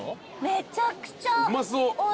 めちゃくちゃ。